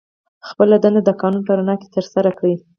خپله دنده د قانون په رڼا کې ترسره کړي.